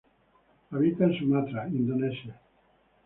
Habita en Sumatra, Indonesia.